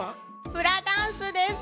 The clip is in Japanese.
フラダンスです！